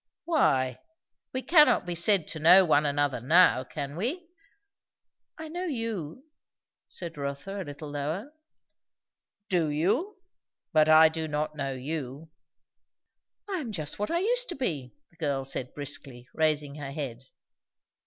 "Why? We cannot be said to know one another now, can we?" "I know you " said Rotha a little lower. "Do you? But I do not know you." "I am just what I used to be," the girl said briskly, raising her head.